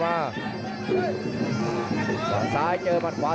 ส่วนหน้านั้นอยู่ที่เลด้านะครับ